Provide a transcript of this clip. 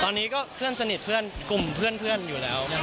ตอนนี้ก็เพื่อนสนิทเพื่อนกลุ่มเพื่อนอยู่แล้ว